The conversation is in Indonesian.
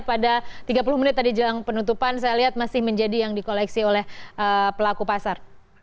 pada tiga puluh menit tadi jelang penutupan saya lihat masih menjadi yang di koleksi oleh pelaku pasar